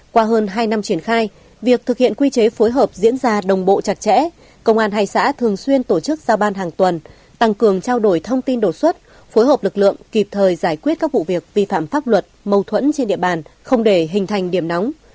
qua hơn hai năm triển khai việc thực hiện quy chế phối hợp diễn ra đồng bộ chặt chẽ công an hai xã thường xuyên tổ chức giao ban hàng tuần tăng cường trao đổi thông tin đột xuất phối hợp lực lượng kịp thời giải quyết các vụ việc vi phạm pháp luật mâu thuẫn trên địa bàn không để hình thành điểm nóng